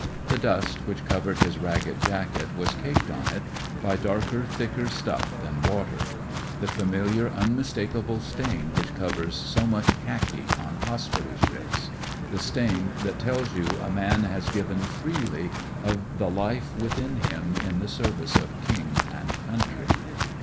The dust which covered his ragged jacket was caked on it, by darker, thicker stuff than water: the familiar, unmistakable stain which covers so much khaki on hospital ships; the stain that tells you a man has given freely 97 I fit u. 98 " WE DON'T COUNT WOUNDS " of the life within him in the service of King and country.